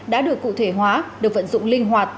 đã được cụ thể hóa được vận dụng linh hoạt